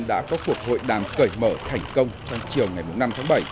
đã có cuộc hội đàm cởi mở thành công trong chiều ngày năm tháng bảy